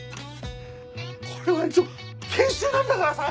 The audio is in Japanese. これは一応研修なんだからさ！